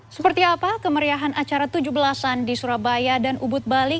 seperti apa kemeriahan acara tujuh belas an di surabaya dan ubud bali